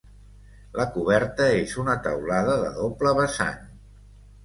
La coberta és una teulada de doble vessant.